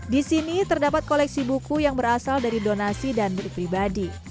disini terdapat koleksi buku yang berasal dari donasi dan beli pribadi